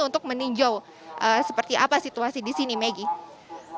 untuk meninjau seperti apa situasi di sini maggie